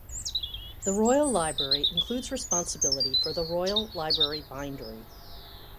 The Royal Library includes responsibility for the Royal Library bindery.